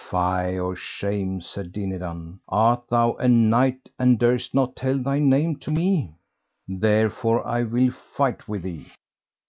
Fie for shame, said Dinadan, art thou a knight and durst not tell thy name to me? therefore I will fight with thee.